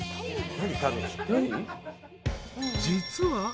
［実は］